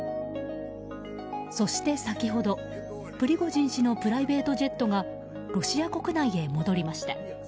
そして先ほど、プリゴジン氏のプライベートジェットがロシア国内へ戻りました。